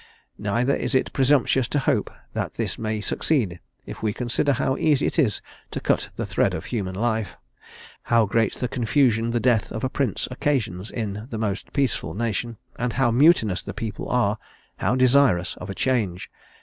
Neither is it presumptuous to hope that this may succeed, if we consider how easy it is to cut the thread of human life; how great confusion the death of a prince occasions in the most peaceful nation; and how mutinous the people are, how desirous of a change.